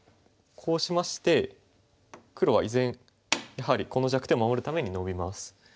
こうしまして黒は依然やはりこの弱点を守るためにノビます。